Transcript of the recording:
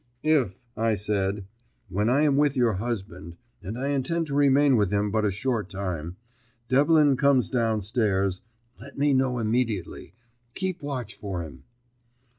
"If," I said, "when I am with your husband and I intend to remain with him but a short time Devlin comes down stairs, let me know immediately. Keep watch for him."